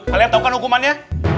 kalian tau kan hukumannya